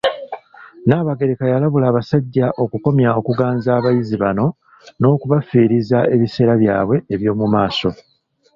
Nnaabagereka yalabula abasajja okukomya okuganza abayizi bano n'okubafiiriza ebiseera byabwe eby'omu maaso.